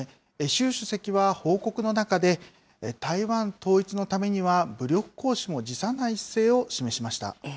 習主席は報告の中で、台湾統一のためには武力行使も辞さない姿勢を示しました。